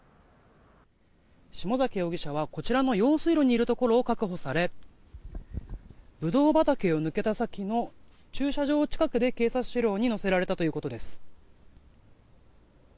下崎容疑者はこちらの用水路にいるところを確保されブドウ畑を抜けた先の駐車場近くで警察車両に乗せられたということです。